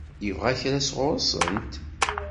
Yebɣa kra sɣur-sent?